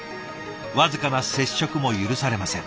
僅かな接触も許されません。